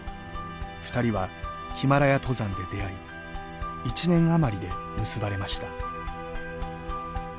２人はヒマラヤ登山で出会い１年余りで結ばれました。